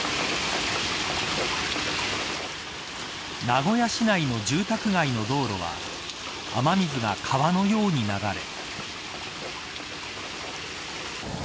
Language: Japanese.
名古屋市内の住宅街の道路は雨水が川のように流れ。